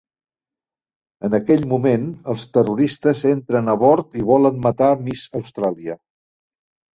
En aquell moment, els terroristes entren a bord i volen matar Miss Austràlia.